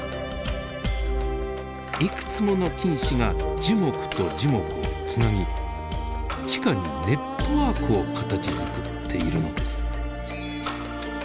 いくつもの菌糸が樹木と樹木をつなぎ地下にネットワークを形づくっているのです。